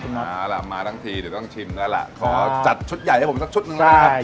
ให้ผมสักชุดนึงเลยครับ